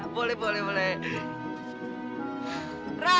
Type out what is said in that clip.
boleh boleh boleh